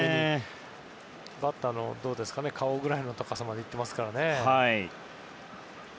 バッターの顔ぐらいの高さまで行っていますからね。